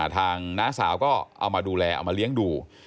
น้าสาวก็เอามาดูแลเอามาเลี้ยงดู